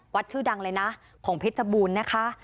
ชื่อดังเลยนะของเพชรบูรณ์นะคะ